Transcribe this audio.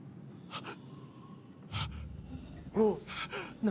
あっ。